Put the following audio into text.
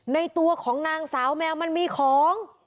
ในตัวของนางสาวแมวมันมีของ